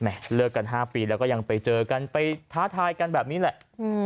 เลิกกัน๕ปีแล้วก็ยังไปเจอกันไปท้าทายกันแบบนี้แหละ